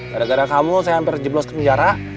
gara gara kamu saya hampir jeblos ke penjara